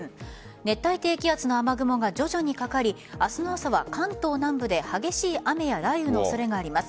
熱帯低気圧の雨雲が徐々にかかり明日の朝は関東南部で激しい雨や雷雨の恐れがあります。